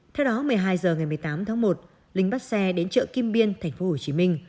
theo đó một mươi hai h ngày một mươi tám tháng một linh bắt xe đến chợ kim biên tp hcm